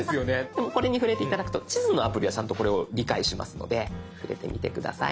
でもこれに触れて頂くと地図のアプリはちゃんとこれを理解しますので触れてみて下さい。